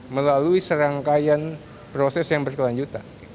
melalui serangkaian proses yang berkelanjutan